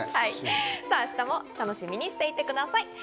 明日も楽しみにしていてください。